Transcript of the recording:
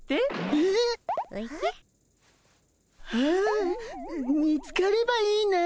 えっ！あ見つかればいいなって。